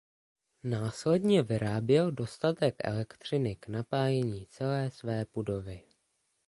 Následně vyráběl dostatek elektřiny k napájení celé své budovy.